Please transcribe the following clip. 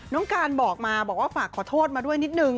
น้องการบอกมาบอกว่าฝากขอโทษมาด้วยนิดนึง